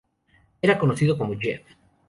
Era conocido como "Jeff".